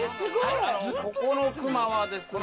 ここの熊はですね